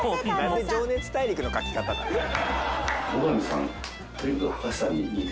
なんで『情熱大陸』の書き方なんだよ。